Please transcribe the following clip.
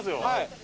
はい。